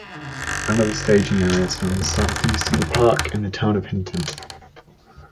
Another staging area is found south-east of the park, in the town of Hinton.